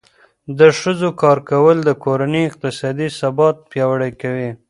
د ښځو کار کول د کورنۍ اقتصادي ثبات پیاوړی کوي.